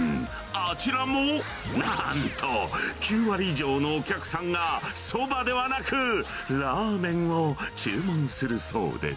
あちらも、なんと９割以上のお客さんがそばではなく、ラーメンを注文するそうです。